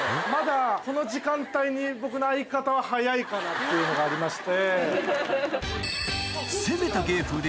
っていうのがありまして。